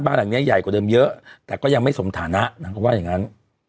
หลังเนี้ยใหญ่กว่าเดิมเยอะแต่ก็ยังไม่สมฐานะนางก็ว่าอย่างนั้น